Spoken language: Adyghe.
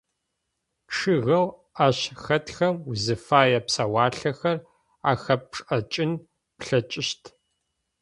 Чъыгэу ащ хэтхэм узыфае псэуалъэхэр ахэпшӏыкӏын плъэкӏыщт.